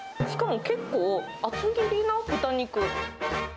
しかも結構、厚切りな豚肉。